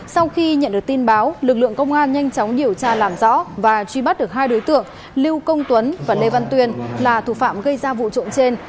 sau khi nhận được tin báo lực lượng công an nhanh chóng điều tra làm rõ và truy bắt được hai đối tượng lưu công tuấn và lê văn tuyên là thủ phạm gây ra vụ trộm trên